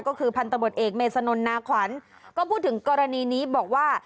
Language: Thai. ก็คือพันธบทเอกเมษนนนาขวัญก็พูดถึงกรณีนี้บอกว่า